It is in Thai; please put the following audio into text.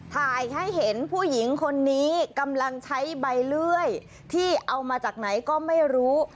ถ่ายให้เห็นผู้หญิงคนนี้กำลังใช้ใบเลื่อยที่เอามาจากไหนก็ไม่รู้